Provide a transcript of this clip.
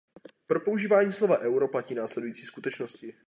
Pro používání slova "euro" platí následující skutečnosti.